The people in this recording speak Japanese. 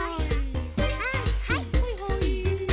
はいはい。